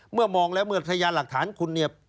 มองแล้วเมื่อพยานหลักฐานคุณเนี่ย